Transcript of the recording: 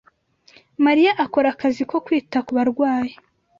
Mariya akora akazi ko kwita kubarwayi